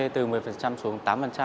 từ một mươi xuống tám